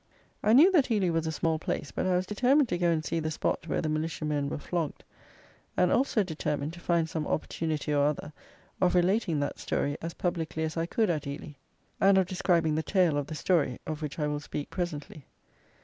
I knew that Ely was a small place, but I was determined to go and see the spot where the militia men were flogged, and also determined to find some opportunity or other of relating that story as publicly as I could at Ely, and of describing the tail of the story; of which I will speak presently.